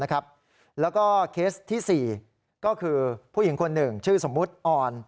แล้วก็เคสที่๔ก็คือผู้หญิงคนหนึ่งชื่อสมมุติอ่อน